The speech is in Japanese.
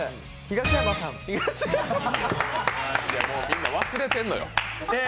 みんな忘れてんのよ。